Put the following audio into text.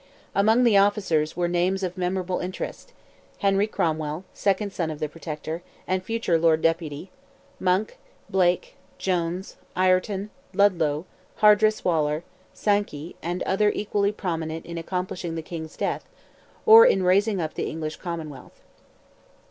Among the officers were names of memorable interest—Henry Cromwell, second son of the Protector, and future Lord Deputy; Monck, Blake, Jones, Ireton, Ludlow, Hardress Waller, Sankey, and others equally prominent in accomplishing the King's death, or in raising up the English commonwealth.